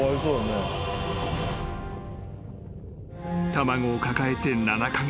［卵を抱えて７カ月］